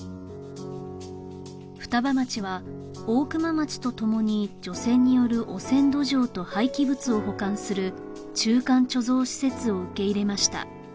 双葉町は大熊町と共に除染による汚染土壌と廃棄物を保管する中間貯蔵施設を受け入れました